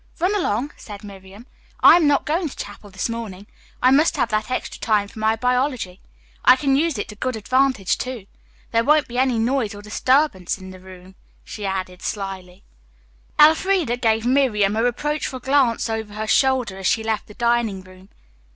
"Run along," said Miriam. "I am not going to chapel this morning. I must have that extra time for my biology. I can use it to good advantage, too. There won't be any noise or disturbance in the room," she added slyly. Elfreda gave Miriam a reproachful glance over her shoulder as she left the dining room.